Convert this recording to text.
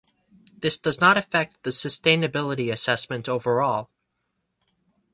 This does not affect the sustainability assessment overall.